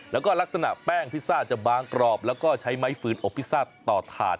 แล้วก็ลักษณะแป้งพิซซ่าจะบางกรอบแล้วก็ใช้ไม้ฟืนอบพิซซ่าต่อถาด